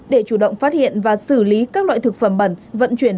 để chủ động phát hiện và xử lý các loại thực phẩm bẩn vận chuyển